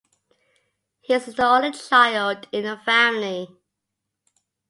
He is the only child in the family.